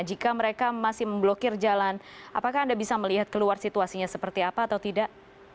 jika mereka masih memblokir jalan apakah anda bisa melihat keluar situasinya seperti apa atau tidak